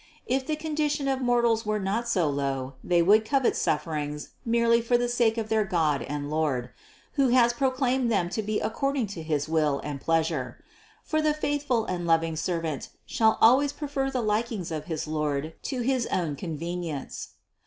If the con dition of mortals were not so low, they would covet sufferings merely for the sake of their God and Lord, THE CONCEPTION 565 who has proclaimed them to be according to his will and pleasure; for the faithful and loving servant should always prefer the likings of his lord to his own con venience.